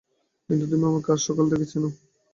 কিন্তু তুমি তো আমাকে আজ সকাল থেকেই চেনো।